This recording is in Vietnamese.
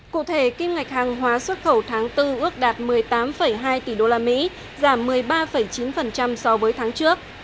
cụ thể kim ngạch hàng hóa xuất khẩu tháng bốn ước đạt một mươi tám hai tỷ usd giảm một mươi ba chín so với tháng trước